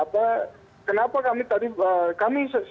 dan kenapa kami tadi